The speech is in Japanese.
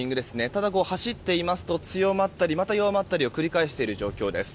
ただ、走っていると強まったり弱まったりを繰り返している状況です。